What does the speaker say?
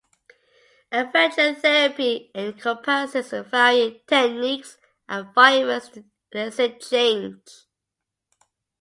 Adventure therapy encompasses varying techniques and environments to elicit change.